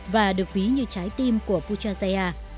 và được ví như trái tim của puchayaya